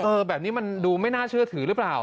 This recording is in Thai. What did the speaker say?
แบบนี้มันดูไม่น่าเชื่อถือหรือเปล่า